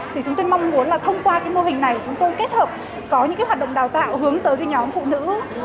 thì chúng tôi mong muốn là thông qua cái mô hình này chúng tôi kết hợp có những cái hoạt động đào tạo hướng tới cái nhóm phụ nữ khó khăn như phụ nữ đơn thân